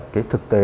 cái thực tế